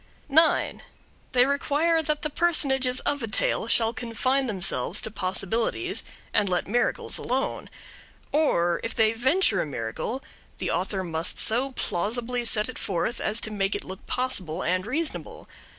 9. They require that the personages of a tale shall confine themselves to possibilities and let miracles alone; or, if they venture a miracle, the author must so plausibly set it forth as to make it look possible and reasonable.